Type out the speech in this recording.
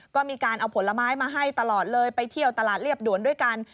ก็มีการเอาผลไม้มาให้ตลอดเลยไปเที่ยวตลาดเรียบด่วนด้วยกัน